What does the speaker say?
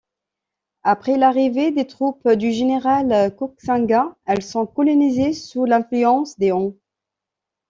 Après l'arrivée des troupes du général Koxinga, elles sont colonisés sous l'influence des Han.